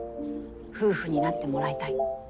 夫婦になってもらいたい。